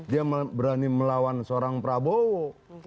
dia berani melawan seorang prabowo